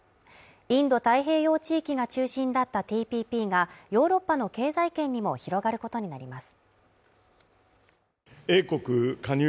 インド太平洋地域が中心だったＴＰＰがヨーロッパの経済圏にも広がることになります。